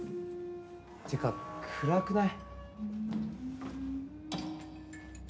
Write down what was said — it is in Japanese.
ってか暗くない？